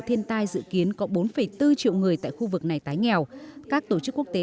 thiên tai dự kiến có bốn bốn triệu người tại khu vực này tái nghèo các tổ chức quốc tế